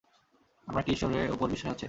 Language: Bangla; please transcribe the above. আপনার কি ঈশ্বরে উপর বিশ্বাস আছে?